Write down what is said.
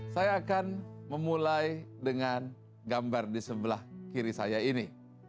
saya akan memulai dengan gambar di sebelah kiri saya ini